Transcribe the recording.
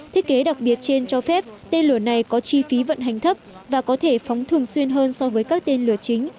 thiết kế đặc biệt trên cho phép tên lửa này có chi phí vận hành thấp và có thể phóng thường xuyên hơn so với các tên lửa chính